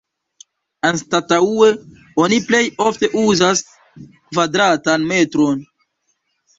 Anstataŭe, oni plej ofte uzas "kvadratan metron".